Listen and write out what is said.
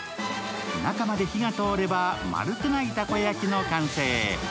中まで火が通れば、丸くないたこ焼きの完成。